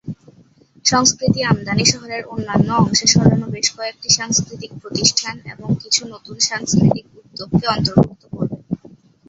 সংস্কৃতি আমদানি শহরের অন্যান্য অংশে সরানো বেশ কয়েকটি সাংস্কৃতিক প্রতিষ্ঠান এবং কিছু নতুন সাংস্কৃতিক উদ্যোগকে অন্তর্ভুক্ত করবে।